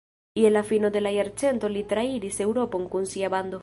Je la fino de la jarcento li trairis Eŭropon kun sia bando.